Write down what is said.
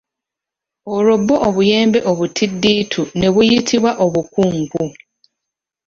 Olwo bwo obuyembe obutiddiitu ne buyitibwa obukunku.